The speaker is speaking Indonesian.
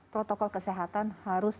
protokol kesehatan harus